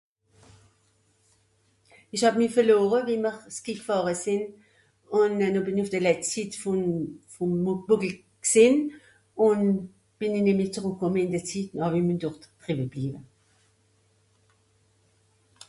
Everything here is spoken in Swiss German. ìsch hàb mi verloore wiem'r skii fàhre sìn ùn'e no bìn i ùff de läts sit vòm vòm bòckel gsìn ùn bìn'i nemmi zùrùckkòmme ìn de Zit no hawimi dort dreve bliewe